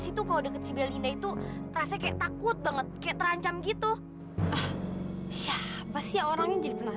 is vendor yang menerima khususnya dervih